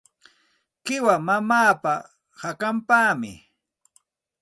Qiwa mamaapa hakanpaqmi.